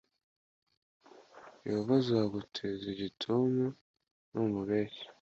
yehova azaguteza igituntu numubeshya